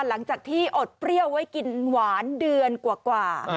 หลังจากที่อดเปรี้ยวไว้กินหวานเดือนกว่า